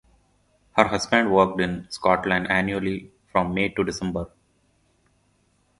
Her husband worked in Scotland annually from May to December.